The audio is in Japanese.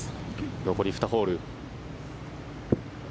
残り２ホール。